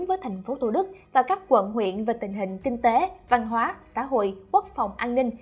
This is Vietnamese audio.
với thành phố thủ đức và các quận huyện về tình hình kinh tế văn hóa xã hội quốc phòng an ninh